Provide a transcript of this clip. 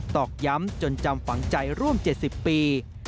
ตอกย้ำจนจำฝังใจร่วม๗๐ปี